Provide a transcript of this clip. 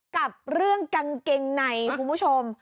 กับเรื่องกางเกงในคุณผู้ชม